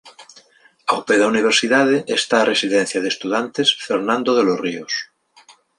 Ao pé da universidade está a residencia de estudantes Fernando de los Ríos.